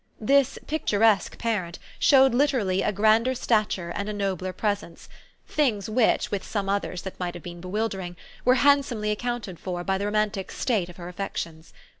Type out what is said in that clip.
This picturesque parent showed literally a grander stature and a nobler presence, things which, with some others that might have been bewildering, were handsomely accounted for by the romantic state of her affections.